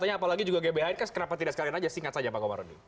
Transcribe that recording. apalagi juga gbhn kenapa tidak singkat saja pak komarudi